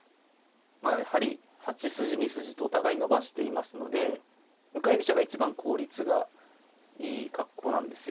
まあやはり８筋２筋とお互い伸ばしていますので向かい飛車が一番効率がいい格好なんですよ。